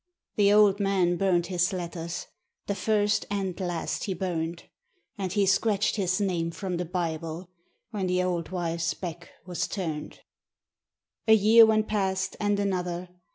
The old man burned his letters, the first and last he burned, And he scratched his name from the Bible when the old wife's back was turned. A year went past and another.